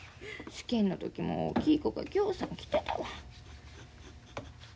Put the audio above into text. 試験の時も大きい子がぎょうさん来てたわ。